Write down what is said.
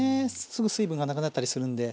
すぐ水分がなくなったりするんで。